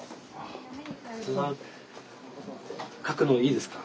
いいですか。